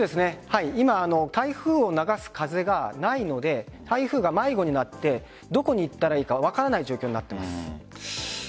今、台風を流す風がないので台風が迷子になってどこに行ったらいいか分からない状況になっています。